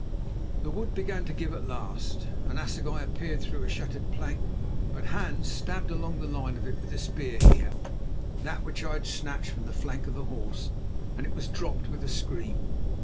The wood began to give at last, an assegai appeared through a shattered plank, but Hans stabbed along the line of it with the spear he held, that which I had snatched from the flank of the horse, and it was dropped with a scream.